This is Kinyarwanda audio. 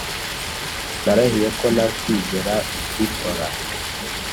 narahiye ko ntazigera mbikora.